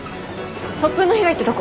突風の被害ってどこ？